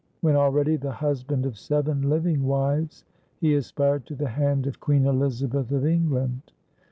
When already the husband of seven living wives, he aspired to the hand of Queen Elizabeth of England.